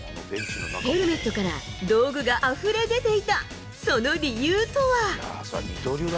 ヘルメットから道具があふれ出ていた、その理由とは。